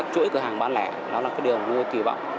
chuỗi cửa hàng bán lẻ đó là cái đường mua kỳ vọng